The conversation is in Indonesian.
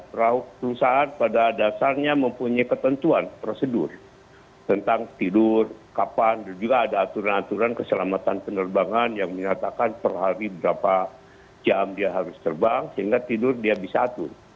kalau perusahaan pada dasarnya mempunyai ketentuan prosedur tentang tidur kapan dan juga ada aturan aturan keselamatan penerbangan yang menyatakan per hari berapa jam dia harus terbang sehingga tidur dia bisa atur